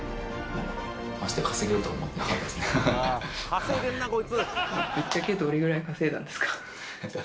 稼いでるなこいつ！